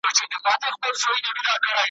نه هیڅ خت ورته قسمت هسي خندلي `